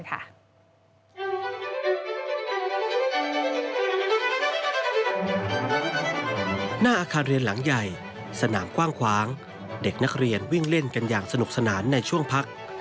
และให้นักเรียนวิ่งเล่นกันอย่างสนุกสนานในช่วงพัก